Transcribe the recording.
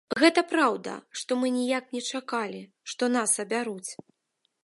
Гэта праўда, што мы ніяк не чакалі, што нас абяруць.